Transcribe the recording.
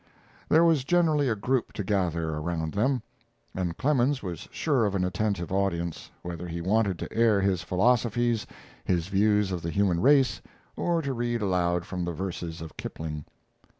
There was generally a group to gather around them, and Clemens was sure of an attentive audience, whether he wanted to air his philosophies, his views of the human race, or to read aloud from the verses of Kipling.